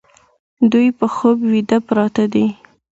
دوی په خوب ویده پراته دي